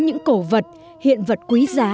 những cổ vật hiện vật quý giá